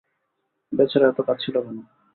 বেচারা এতো কাঁদছিল কেন?